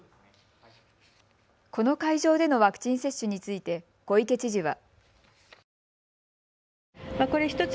この会場でのワクチン接種について小池知事は。